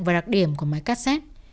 và đặc điểm của máy cassette